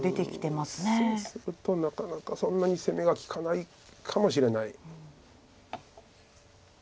そうするとなかなかそんなに攻めが利かないかもしれない。